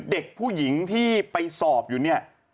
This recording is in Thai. เด็กผู้หญิงที่ไปสอบอยู่เนี่ย